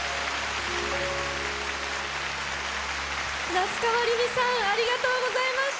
夏川りみさんありがとうございました。